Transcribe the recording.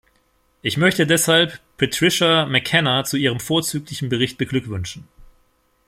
Ich möchte deshalb Patricia McKenna zu ihrem vorzüglichen Bericht beglückwünschen.